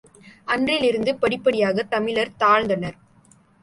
அன்றிலிருந்து படிப்படியாகத் தமிழர் தாழ்ந்தனர்.